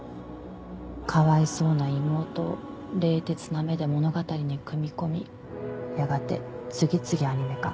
かわいそうな妹を冷徹な目で物語に組み込みやがて次々アニメ化